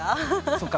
そっか。